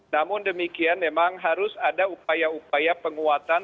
namun demikian memang harus ada upaya upaya penguatan